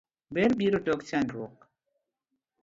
Ber biro tok chandruo.